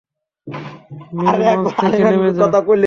Many, মঞ্চ থেকে নেমে যাও।